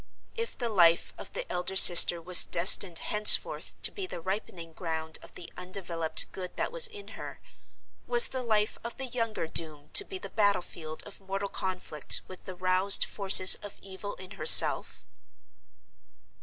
If the life of the elder sister was destined henceforth to be the ripening ground of the undeveloped Good that was in her—was the life of the younger doomed to be the battle field of mortal conflict with the roused forces of Evil in herself?